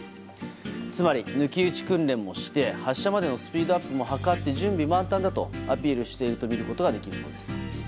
つまり抜き打ち訓練もして発射までのスピードアップも図って準備万端だとアピールしているとみることができそうです。